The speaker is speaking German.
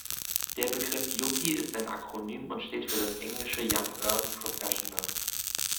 Der Begriff Yuppie ist ein Akronym und steht für das englische young urban professional.